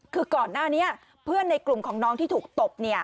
คือก่อนหน้านี้เพื่อนในกลุ่มของน้องที่ถูกตบ